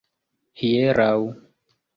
hieraŭ